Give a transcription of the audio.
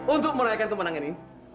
untuk merayakan kemenangan ini